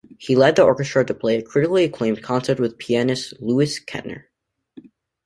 He led the orchestra to play a critically acclaimed concert with pianist Louis Kentner.